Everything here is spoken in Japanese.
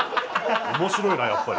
面白いなやっぱり。